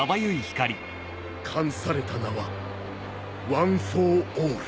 冠された名はワン・フォー・オール。